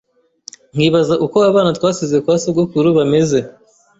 nkibaza uko abana twasize kwa sogokuru bameze